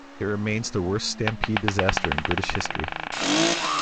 It remains the worst stampede disaster in British history.